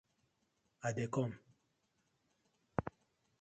I dey kom.